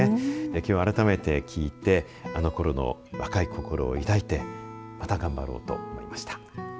きょうは改めて聞いてあのころの若い心を抱いてまた頑張ろうと思いました。